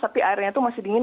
tapi airnya itu masih dingin